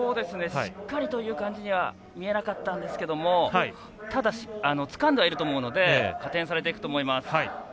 しっかりという感じには見えなかったんですけどもただ、つかんではいると思うので加点されていくと思います。